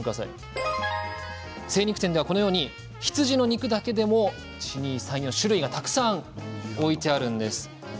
精肉店ではこのように羊の肉だけでも種類がたくさん置いてあるんです。